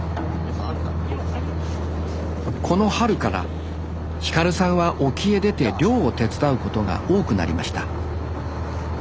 この春から輝さんは沖へ出て漁を手伝うことが多くなりました